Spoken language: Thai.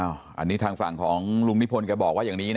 อันนี้ทางฝั่งของลุงนิพนธ์แกบอกว่าอย่างนี้นะ